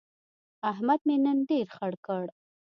احمد مې نن ډېر خړ کړ.